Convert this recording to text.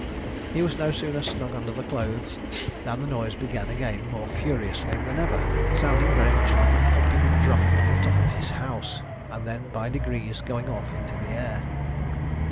He was no sooner snug under the clothes, than the noise began again more furiously than ever, sounding very much like a "thumping and drumming on the top of his house, and then by degrees going off into the air."